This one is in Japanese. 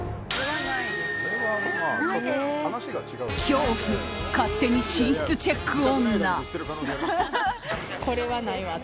恐怖、勝手に寝室チェック女。